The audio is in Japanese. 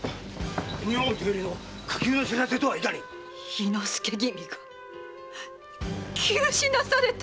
猪之助君が急死なされた！